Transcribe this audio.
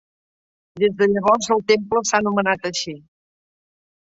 Des de llavors, el temple s'ha anomenat així.